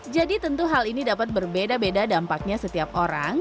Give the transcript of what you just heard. jadi tentu hal ini dapat berbeda beda dampaknya setiap orang